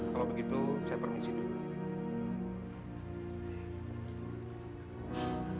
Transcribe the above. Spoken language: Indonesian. kalau begitu saya permisi dulu